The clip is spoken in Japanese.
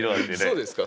そうですか？